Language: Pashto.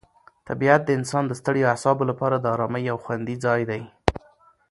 طبیعت د انسان د ستړیو اعصابو لپاره د آرامۍ یو خوندي ځای دی.